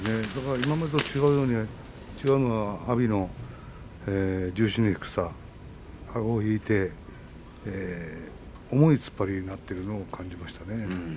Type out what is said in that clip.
今までと違うのは阿炎の重心の低さ、あごを引いて重い突っ張りになっているのを感じましたね。